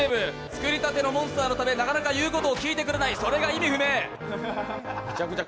作りたてのモンスターのため、なかなか言うことを聞いてくれない、それが意味不明。